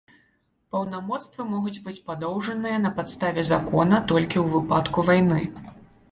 Паўнамоцтвы могуць быць падоўжаныя на падставе закона толькі ў выпадку вайны.